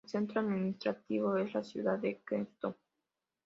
El centro administrativo es la ciudad de Queenstown.